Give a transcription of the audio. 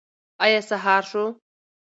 ایا سهار شو؟